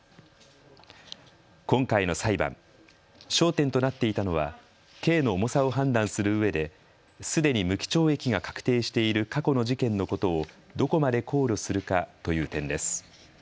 今回の裁判、焦点となっていたのは刑の重さを判断するうえですでに無期懲役が確定している過去の事件のことをどこまで考慮するかという点です。